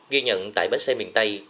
ghi nhận tại bến xe miền tây